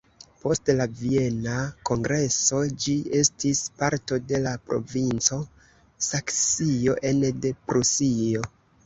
Post la Viena kongreso ĝi estis parto de la Provinco Saksio ene de Prusio.